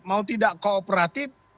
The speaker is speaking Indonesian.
mau tidak kooperatif